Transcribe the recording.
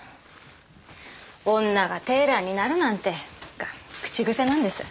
「女がテーラーになるなんて」が口癖なんです。